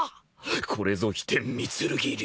これぞ飛天御剣流。